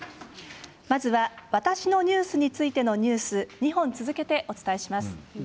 まず「わたしのニュース」についてのニュース２本続けてお伝えします。